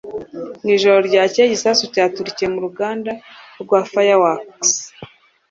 Mu ijoro ryakeye, igisasu cyaturikiye mu ruganda rwa fireworks.